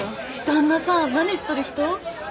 旦那さん何しとる人？